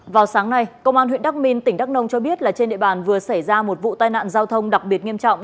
vào sáng nay công an huyện đắk minh tỉnh đắk nông cho biết là trên địa bàn vừa xảy ra một vụ tai nạn giao thông đặc biệt nghiêm trọng